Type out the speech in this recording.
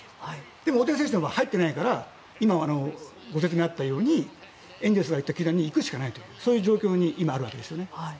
でも大谷選手は入ってないから今、ご説明あったようにエンゼルスが言った球団に行くしかないという状況に今、あるわけですね。